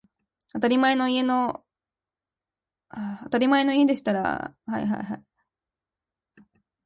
あたりまえの家でしたら、庭のほうの縁がわの下から、床下へはいこむという手もありますけれど、このお座敷の縁がわの下には、厚い板が打ちつけてございます